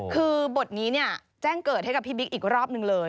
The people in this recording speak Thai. คือบทนี้เนี่ยแจ้งเกิดให้กับพี่บิ๊กอีกรอบนึงเลย